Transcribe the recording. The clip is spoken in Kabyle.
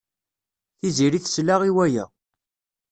Tiziri tesla i waya.